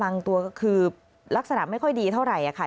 ตัวก็คือลักษณะไม่ค่อยดีเท่าไหร่ค่ะ